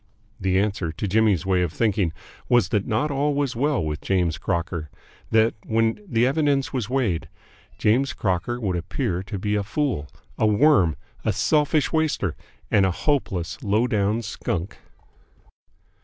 The answer, to Jimmy's way of thinking, was that all was not well with James Crocker, that, when all the evidence was weighed, James Crocker would appear to be a fool, a worm, a selfish waster, and a hopeless, low down skunk.